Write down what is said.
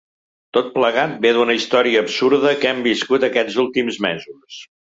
Tot plegat ve d’una història absurda que hem viscut aquests últims mesos.